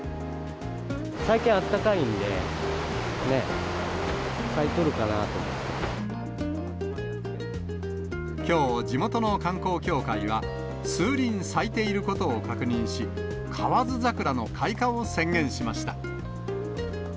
最近あったかいんで、咲いてきょう、地元の観光協会は、数輪咲いていることを確認し、河津桜の開花を宣言しました。